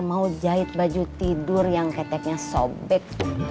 mau jahit baju tidur yang heteknya sobek